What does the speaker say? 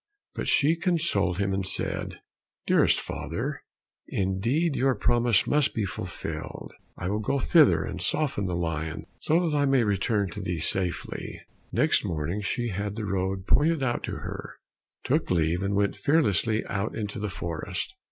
But she consoled him and said, "Dearest father, indeed your promise must be fulfilled. I will go thither and soften the lion, so that I may return to thee safely." Next morning she had the road pointed out to her, took leave, and went fearlessly out into the forest.